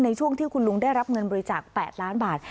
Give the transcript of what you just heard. ในช่วงที่คุณลุงได้รับเงินบริจาค๘ล้านบาท